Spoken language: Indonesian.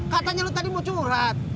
katanya lo tadi mau curhat